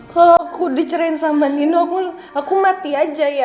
kalau aku dicerain sama nino aku mati aja ya